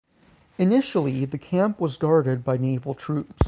Initially the camp was guarded by Naval troops.